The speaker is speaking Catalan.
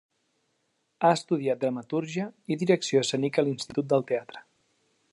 Ha estudiat dramatúrgia i direcció escènica a l'Institut del Teatre.